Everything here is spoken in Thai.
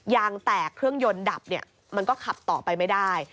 ยางแตกเครื่องยนต์ดับเนี่ยมันก็ขับต่อไปไม่ได้